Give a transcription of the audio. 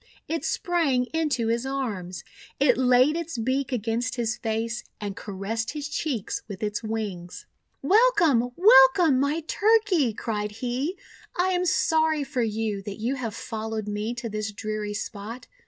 It sprang into his arms. It laid its beak against his face, and caressed his cheeks with its wings. 364 THE WONDER GARDEN 'Welcome! Welcome! My Turkey!'' cried he. 'I am sorry for you, tliat you liave fol lowed me to this dreary spot!